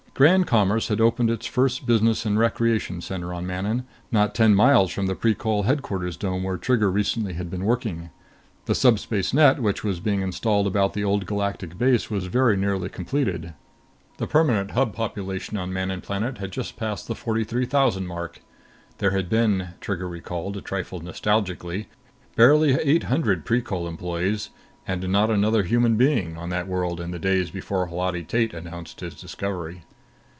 Grand Commerce had opened its first business and recreation center on Manon, not ten miles from the Precol Headquarters dome where Trigger recently had been working. The subspace net which was being installed about the Old Galactic base was very nearly completed. The permanent Hub population on Manon Planet had just passed the forty three thousand mark. There had been, Trigger recalled, a trifle nostalgically, barely eight hundred Precol employees, and not another human being, on that world in the days before Holati Tate announced his discovery.